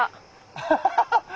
アハハハハ。